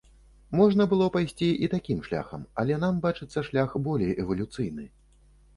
Можна пайсці і такім шляхам, але нам бачыцца шлях болей эвалюцыйны.